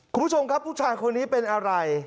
คุณผู้ชมครับผู้ชายคนนี้เป็นอะไร